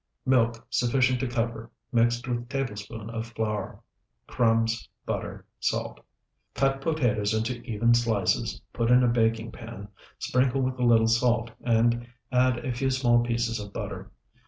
Milk sufficient to cover, mixed with tablespoonful of flour. Crumbs. Butter. Salt. Cut potatoes into even slices, put in a baking pan, sprinkle with a little salt, and a few small pieces of butter.